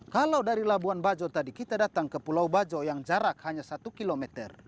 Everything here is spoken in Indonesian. kalau dari labuan bajo tadi kita datang ke pulau bajo yang jarak hanya satu km